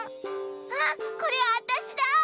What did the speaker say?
あっこれあたしだ！